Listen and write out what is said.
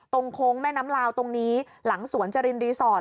โค้งแม่น้ำลาวตรงนี้หลังสวนจรินรีสอร์ท